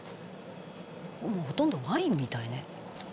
「もうほとんどワインみたいね」